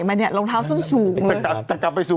พี่ก็ไม่รู้